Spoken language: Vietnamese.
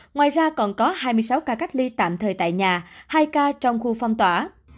ngoài ra còn có hai mươi sáu ca cách ly tạm thời tại nhà hai ca trong khu phong tỏa